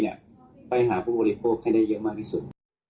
ปื้นบริโภคให้ได้เยอะมากที่สุด